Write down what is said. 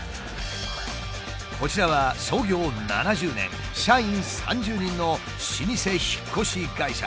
こちらは創業７０年社員３０人の老舗引っ越し会社。